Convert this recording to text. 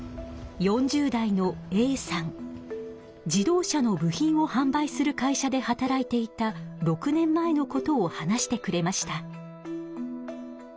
自動車の部品をはん売する会社で働いていた６年前のことを話してくれました。